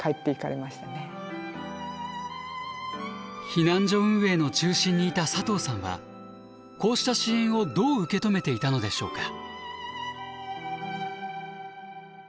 避難所運営の中心にいた佐藤さんはこうした支援をどう受け止めていたのでしょうか。